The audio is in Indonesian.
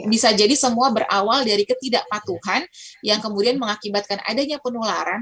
bisa jadi semua berawal dari ketidakpatuhan yang kemudian mengakibatkan adanya penularan